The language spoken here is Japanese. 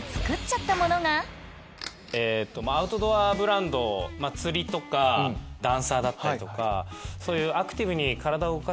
アウトドアブランド釣りとかダンサーだったりとかそういう。